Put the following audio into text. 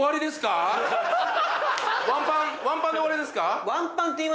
ワンパンで終わりですか？